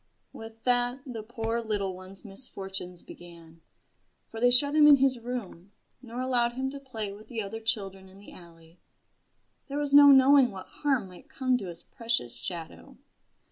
With that the poor little one's misfortunes began. For they shut him in his room, nor allowed him to play with the other children in the alley there was no knowing what harm might come to his precious shadow.